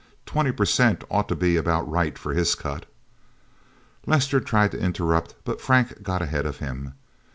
Twenty percent ought to be about right for his cut." Lester tried to interrupt, but Frank got ahead of him.